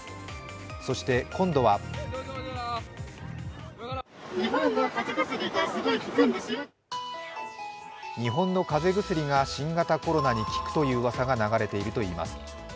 そして今度は日本の風邪薬が新型コロナに効くといううわさが流れているといいます。